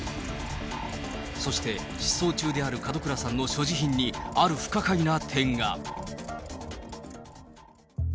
そして失踪中である門倉さんの所持品に、ある不可解な点が。